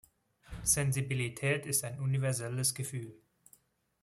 Sensibilität ist ein universelles Gefühl.